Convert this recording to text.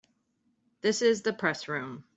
This is the Press Room.